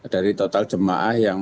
dari total jemaah yang